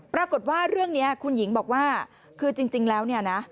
ปรากฏว่าเรื่องนี้คุณหญิงบอกว่าคือจริงแล้วเนี่ยนะ